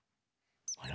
あら？